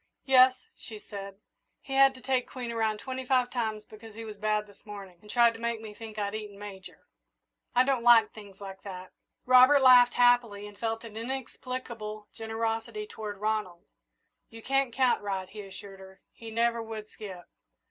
"Yes," she said. "He had to take Queen around twenty five times because he was bad this morning and tried to make me think I'd eaten Major. I don't like things like that." Robert laughed happily and felt an inexplicable generosity toward Ronald. "You didn't count right," he assured her. "He never would skip."